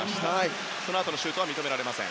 そのあとのシュートは認められません。